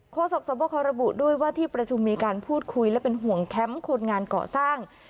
โศกสวบคอระบุด้วยว่าที่ประชุมมีการพูดคุยและเป็นห่วงแคมป์คนงานเกาะสร้าง